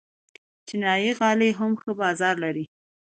چینايي غالۍ هم ښه بازار لري.